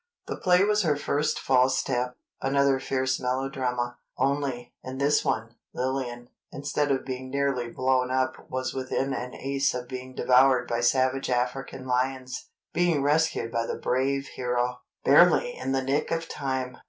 The play was "Her First False Step," another fierce melodrama; only, in this one, Lillian, instead of being nearly blown up was within an ace of being devoured by savage African lions, being rescued by the brave hero, barely in the nick of time!